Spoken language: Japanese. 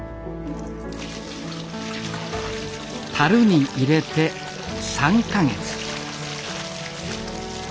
たるに入れて３か月。